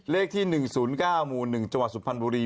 เลขที่๑๐๙หมู่๑จังหวัดสุพรรณบุรี